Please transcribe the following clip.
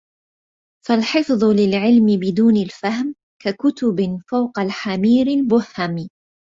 فالحفظ للعلم بدون الفهم ككتب فوق الحمير البُهم